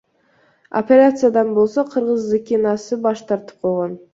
Операциядан болсо кыргыз Зыкинасы баш тартып койгон.